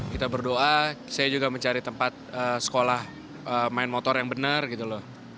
kita berdoa saya juga mencari tempat sekolah main motor yang benar gitu loh